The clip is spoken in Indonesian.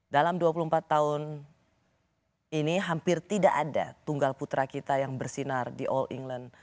dalam dua puluh empat tahun ini hampir tidak ada tunggal putra kita yang bersinar di all england